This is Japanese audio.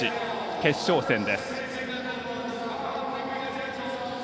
決勝戦です。